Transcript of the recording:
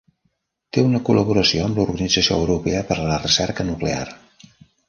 Té una col·laboració amb l'Organització Europea per a la Recerca Nuclear.